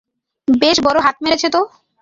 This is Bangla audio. বেশ বড় হাত মেরেছো, তো।